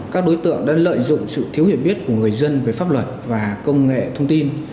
các đối tượng đã lợi dụng sự thiếu hiểu biết của người dân về pháp luật và công nghệ thông tin